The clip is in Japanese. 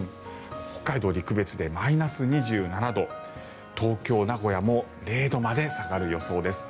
北海道陸別でマイナス２７度東京、名古屋も０度まで下がる予想です。